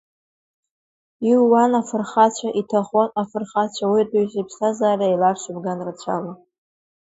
Ииуан афырхацәа, иҭахон афырхацәа ауаҩытәыҩса иԥсҭазаара еиларсуп ган рацәала.